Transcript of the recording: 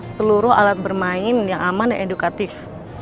seluruh alat bermain yang aman dan edukatif